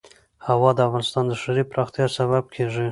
هوا د افغانستان د ښاري پراختیا سبب کېږي.